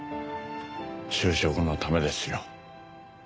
就職のためですよ。